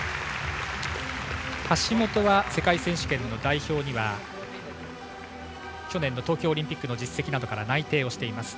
橋本は世界選手権の代表には去年の東京オリンピックの実績などから内定しています。